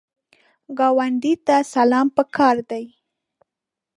ګاونډي ته سلام پکار دی